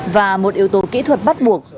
và một yếu tố kỹ thuật bắt buộc